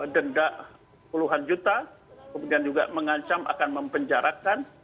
denda puluhan juta kemudian juga mengancam akan mempenjarakan